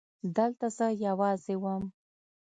دلته زه يوازې وم.